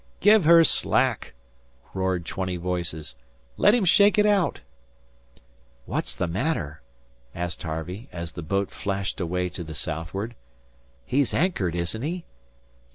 "Give her slack!" roared twenty voices. "Let him shake it out." "What's the matter?" said Harvey, as the boat flashed away to the southward. "He's anchored, isn't he?"